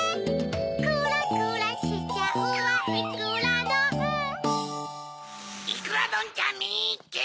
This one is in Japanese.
クラクラしちゃうわいくらどんいくらどんちゃんみっけ！